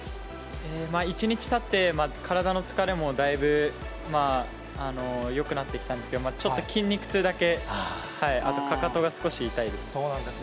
１日たって、体の疲れもだいぶよくなってきたんですけど、ちょっと筋肉痛だけ、あとかかとそうなんですね。